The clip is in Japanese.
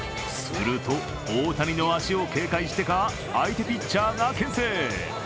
すると、大谷の足を警戒してか相手ピッチャーがけん制。